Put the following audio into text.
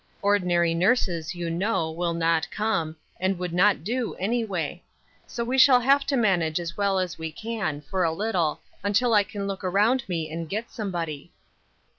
Ordinary nurses, you know, will not come, and would not do, anyway, So we shall have to manage as well as we can, for a little, until I can look around me and get somebody."